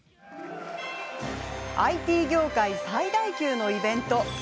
ＩＴ業界最大級のイベント。